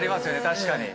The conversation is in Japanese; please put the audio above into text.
確かに。